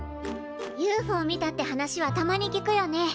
ＵＦＯ見たって話はたまに聞くよね。